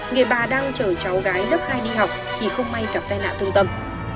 người bà đang chở cháu gái lớp hai đi học khi không may cặp tai nạn thương tâm